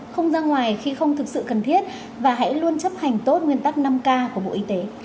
không ra ngoài khi không thực sự cần thiết và hãy luôn chấp hành tốt nguyên tắc năm k của bộ y tế